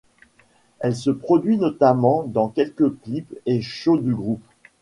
Elle se produit notamment dans quelques clips et shows du groupe.